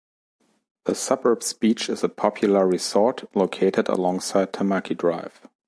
The suburb's beach is a popular resort, located alongside Tamaki Drive.